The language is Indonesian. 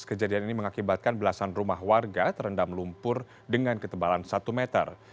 kejadian ini mengakibatkan belasan rumah warga terendam lumpur dengan ketebalan satu meter